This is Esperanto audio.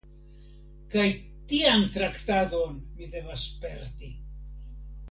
Kaj tian traktadon mi devas sperti!